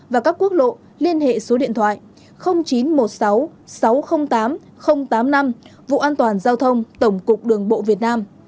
và các quốc lộ liên hệ số điện thoại chín trăm một mươi sáu sáu trăm linh tám tám mươi năm vụ an toàn giao thông tổng cục đường bộ việt nam